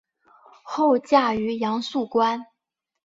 后嫁于杨肃观。